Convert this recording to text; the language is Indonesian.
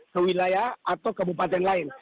ke wilayah atau kabupaten lain